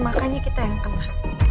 makanya kita yang kena